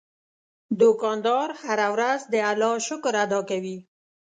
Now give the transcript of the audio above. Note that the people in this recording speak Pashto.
دوکاندار هره ورځ د الله شکر ادا کوي.